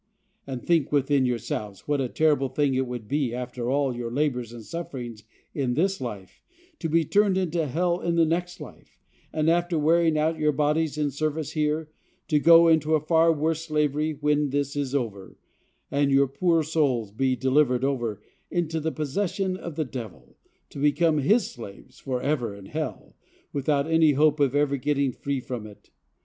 And think within yourselves what a terrible thing it would be, after all your labors and sufferings in this life, to be turned into hell in the next life; and, after wearing out your bodies in service here, to go into a far worse slavery when this is over, and your poor souls be delivered over into the possession of the devil, to become his slaves forever in hell, without any hope of ever getting free from it.